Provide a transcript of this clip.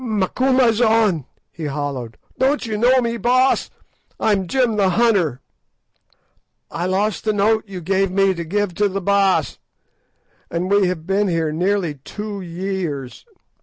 "Macumazahn," he halloed, "don't you know me, Baas? I'm Jim the hunter. I lost the note you gave me to give to the Baas, and we have been here nearly two years."